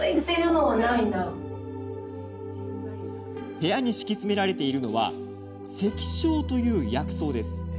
部屋に敷き詰められているのは石菖という薬草です。